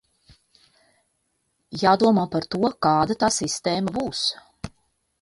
Jādomā par to, kāda tā sistēma būs.